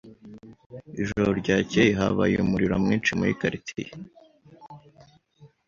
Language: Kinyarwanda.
Ijoro ryakeye habaye umuriro mwinshi muri quartier.